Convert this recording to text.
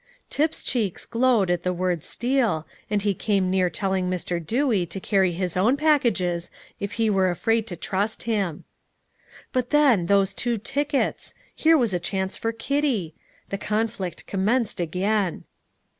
Tip's cheeks glowed at the word steal, and he came near telling Mr. Dewey to carry his own packages, if he were afraid to trust him. But then, those two tickets! Here was a chance for Kitty. The conflict commenced again.